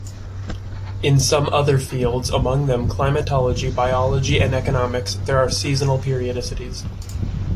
In some other fields, among them climatology, biology, and economics, there are seasonal periodicities.